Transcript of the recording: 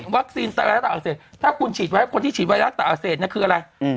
วัคซีนไวรัสตับอักเสบถ้าคุณฉีดไว้คนที่ฉีดไวรัสตับอักเสบเนี่ยคืออะไร